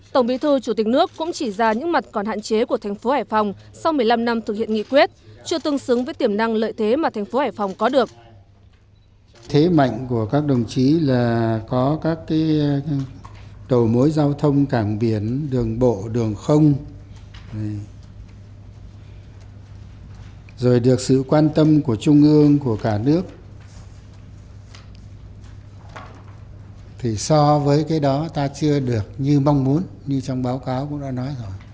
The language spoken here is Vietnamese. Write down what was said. tổng bí thư chủ tịch nước nguyễn phú trọng chúc mừng và đánh giá cao đảng bộ chính quyền và nhân dân thành phố có vị trí hết sức quan trọng về an ninh